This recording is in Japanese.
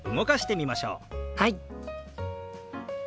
はい！